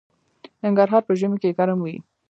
ننګرهار په ژمي کې ګرم وي